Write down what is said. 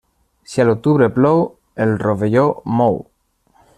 Si a l'octubre plou, el rovelló mou.